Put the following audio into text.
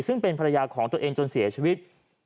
ซึ่งเป็นภรรยาของตัวเองจนเสียชีวิต